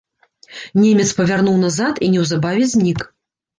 Немец павярнуў назад і неўзабаве знік.